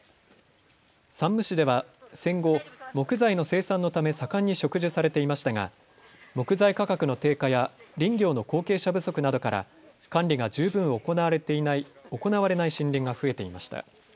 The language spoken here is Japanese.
山武市では戦後、木材の生産のため、盛んに植樹されていましたが、木材価格の低下や林業の後継者不足などから管理が十分行われない森林が増えていました。